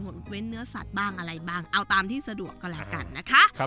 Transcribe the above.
เว้นเนื้อสัตว์บ้างอะไรบ้างเอาตามที่สะดวกก็แล้วกันนะคะ